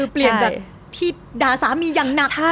เปลี่ยนจากที่ด่าสามีอย่างหนัก